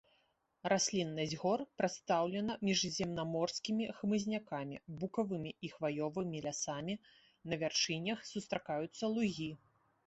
Расліннасць гор прадстаўлена міжземнаморскімі хмызнякамі, букавымі і хваёвымі лясамі, на вяршынях сустракаюцца лугі.